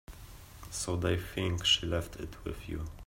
So they think she left it with you.